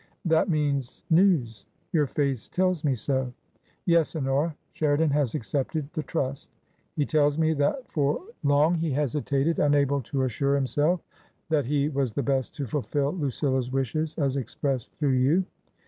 That means news. Your face tells me so." "Yes, Honora! Sheridan has accepted the trust. He tells me that for long he hesitated, unable to assure himself that he was the best to fulfil Lucilla's wishes as expressed through you.